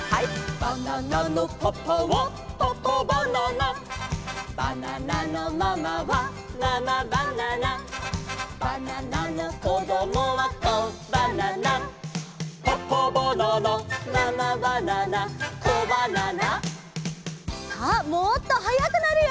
「バナナのパパはパパバナナ」「バナナのママはママバナナ」「バナナのこどもはコバナナ」「パパバナナママバナナコバナナ」さあもっとはやくなるよ！